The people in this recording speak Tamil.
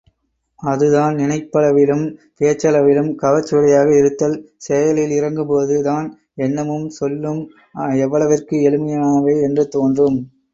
அதுதான் நினைப்பளவிலும் பேச்சளவிலும் கவர்ச்சியுடையதாக இருத்தல், செயலில் இறங்கும்போது தான் எண்ணமும் சொல்லும் எவ்வளவிற்கு எளிமையானவை என்று தோன்றும்.